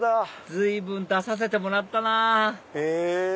随分出させてもらったなぁへぇ！